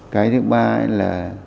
cái thứ ba là